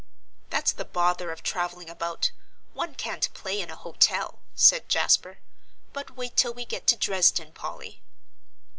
"That's the bother of travelling about; one can't play in a hotel," said Jasper. "But wait till we get to Dresden, Polly."